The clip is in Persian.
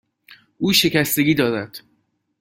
او شکستگی دارد.